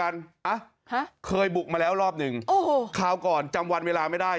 อ่ะฮะเคยบุกมาแล้วรอบหนึ่งโอ้โหคราวก่อนจำวันเวลาไม่ได้